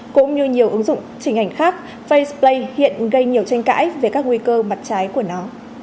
cũng như nhiều ứng dụng trình ảnh khác facepay hiện gây nhiều tranh cãi về các nguy cơ mặt trái của nó